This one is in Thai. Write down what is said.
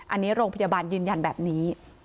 อันนี้โรงพยาบาลยืนยันแบบนี้